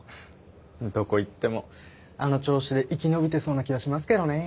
どこ行ってもあの調子で生き延びてそうな気はしますけどね。